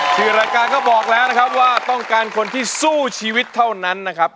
คือรายการก็บอกแล้วนะครับว่าต้องการคนที่สู้ชีวิตเท่านั้นนะครับ